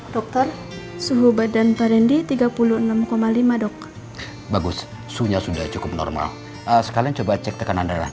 dokter suhu badan parendy tiga puluh enam lima dok bagus suhunya sudah cukup normal sekarang coba cek tekanan darah